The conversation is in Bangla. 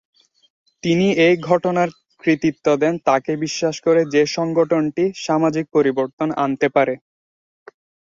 তিনি এই ঘটনার কৃতিত্ব দেন তাকে বিশ্বাস করে যে সংগঠনটি সামাজিক পরিবর্তন আনতে পারে।